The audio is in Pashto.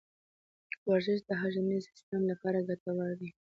ورزش د هاضمي سیستم لپاره ګټور دی.